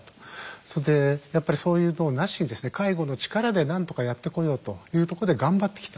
それでやっぱりそういうのをなしに介護の力でなんとかやってこようというとこで頑張ってきた。